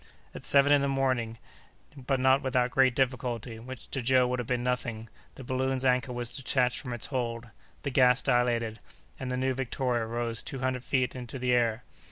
At seven in the morning, but not without great difficulty—which to Joe would have been nothing—the balloon's anchor was detached from its hold, the gas dilated, and the new Victoria rose two hundred feet into the air.